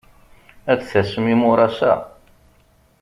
Ad d-tasem imuras-a?